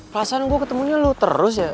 perasaan gue ketemunya lu terus ya